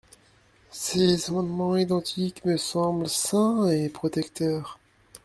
Ces amendements identiques me semblent sains et protecteurs.